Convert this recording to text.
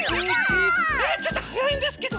えっちょっとはやいんですけど！